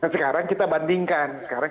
sekarang kita bandingkan sekarang